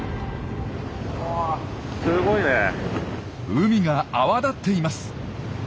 海が泡立っています。